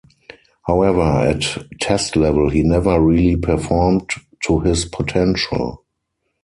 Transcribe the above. However at Test level he never really performed to his potential.